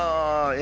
え？